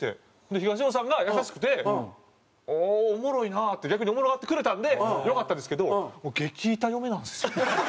で東野さんが優しくて「ああおもろいな」って逆におもろがってくれたんでよかったんですけどもう激イタ嫁なんですよ。